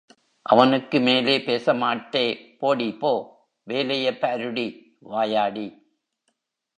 அவனுக்கு மேலே பேசமாட்டே போடிபோ, வேலையைப் பாருடி, வாயாடி.